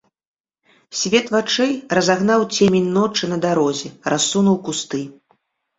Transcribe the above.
Свет вачэй разагнаў цемень ночы на дарозе, рассунуў кусты.